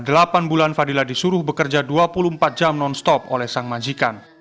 selama bulan fadila disuruh bekerja dua puluh empat jam non stop oleh sang majikan